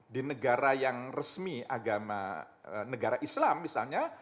di negara yang resmi agama negara islam misalnya